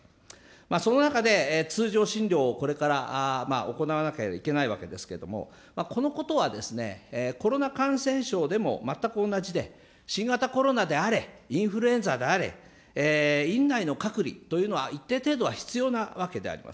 その中で、通常診療をこれから行わなければいけないわけですけれども、このことはコロナ感染症でも全く同じで、新型コロナであれ、インフルエンザであれ、院内の隔離というのは一定程度は必要なわけであります。